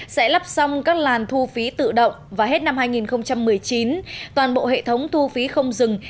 sẽ lắp xong các làn thu phí tự động vào hết năm hai nghìn một mươi chín toàn bộ hệ thống thu phí không dừng